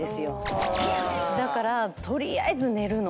だから取りあえず寝るの。